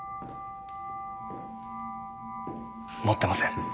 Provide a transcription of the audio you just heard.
持ってません。